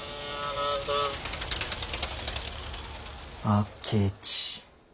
あけち。